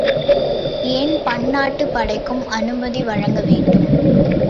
ஏன் பன்னாட்டுப் படைக்கு அனுமதி வழங்கவேண்டும்?